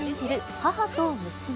母と娘。